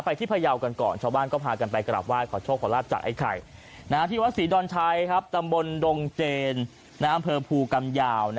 ไปที่พรยาวกันก่อน